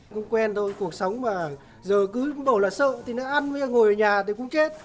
cũng quen thôi cuộc sống mà giờ cứ bổ là sợ thì nó ăn ngồi ở nhà thì cũng chết